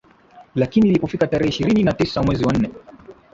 lakini ilipofika tarehe ishirini na tisa mwezi wa nne